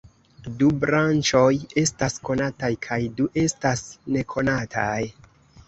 Du branĉoj estas konataj kaj du estas nekonataj.